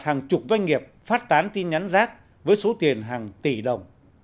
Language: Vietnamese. hàng chục doanh nghiệp phát tán tin nhắn rác với số tiền hàng tỷ đồng